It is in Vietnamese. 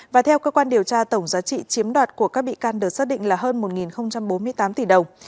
và theo cơ quan điều tra tổng giá trị chiếm đoạt của các bị can được xác định là hơn một bốn mươi tám tỷ đồng